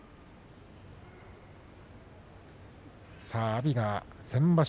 阿炎が先場所